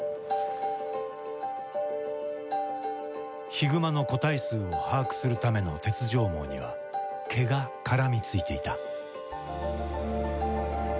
ヒグマの個体数を把握するための鉄条網には毛が絡みついていた。